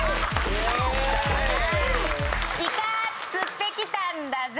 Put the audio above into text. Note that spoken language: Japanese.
イカ釣ってきたんだぜ